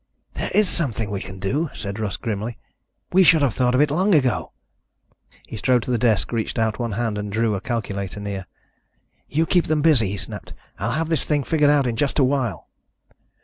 "There is something we can do," said Russ grimly. "We should have thought of it long ago." He strode to the desk, reached out one hand and drew a calculator near. "You keep them busy," he snapped. "I'll have this thing figured out in just a while."